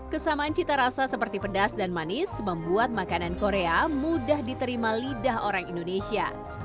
kesamaan cita rasa seperti pedas dan manis membuat makanan korea mudah diterima lidah orang indonesia